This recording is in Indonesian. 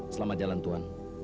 selamat jalan tuan